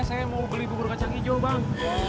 saya mau beli bubur kacang hijau bang